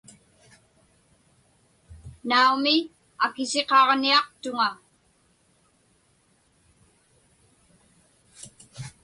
Naumi, akisiqaġniaqtuŋa.